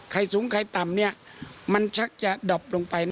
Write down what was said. ใครสูงใครต่ำเนี่ยมันชักจะดบลงไป